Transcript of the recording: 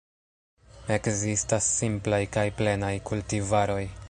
Ekzistas simplaj kaj plenaj kultivaroj.